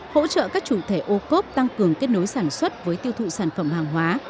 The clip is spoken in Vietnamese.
hỗ trợ các chủ thể ô cốp tăng cường kết nối sản xuất với tiêu thụ sản phẩm hàng hóa